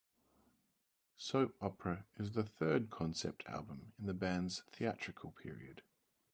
"Soap Opera" is the third concept album in the band's "theatrical period".